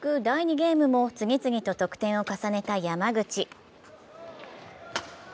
ゲームも次々と得点を重ねた山口。